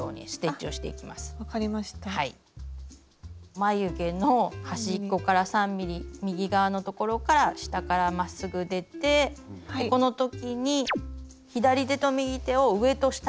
眉毛の端っこから３ｍｍ右側のところから下からまっすぐ出てこの時に左手と右手を上と下に手を使い分けてですね